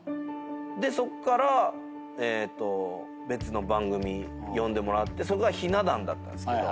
そっから別の番組呼んでもらってそこがひな壇だったんですけど。